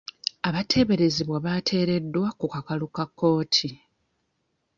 Abateeberezebwa bateereddwa ku kakalu ka kkooti.